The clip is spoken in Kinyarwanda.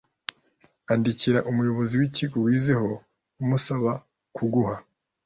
Andikira umuyobozi w’ikigo wizeho umusaba kuguha